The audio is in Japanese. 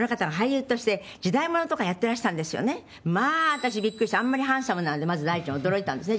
まあ私ビックリしてあんまりハンサムなのでまず第一に驚いたんですね。